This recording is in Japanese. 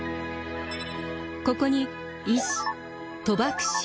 ここに医師賭博師